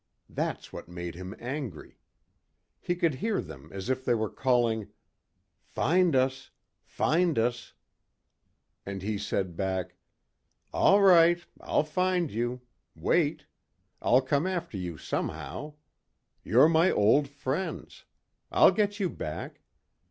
That's what made him angry. He could hear them as if they were calling, "Find us ... find us...." And he said back, "All right, I'll find you. Wait. I'll come after you somehow. You're my old friends. I'll get you back.